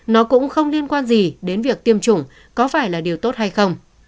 nó cũng không liên quan gì đến việc tiêm chủng có phải là điều tốt hay không